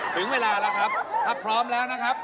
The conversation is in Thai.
ถึงเวลาแล้วครับถ้าพร้อมแล้วนะครับ